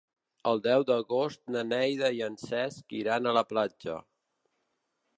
El deu d'agost na Neida i en Cesc iran a la platja.